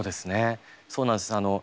そうなんです。